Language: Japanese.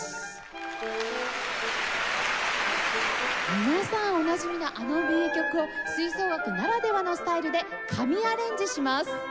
皆さんおなじみのあの名曲を吹奏楽ならではのスタイルで神アレンジします。